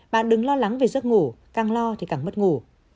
bạn đừng lo lắng về giấc ngủ càng lo thì càng mất ngủ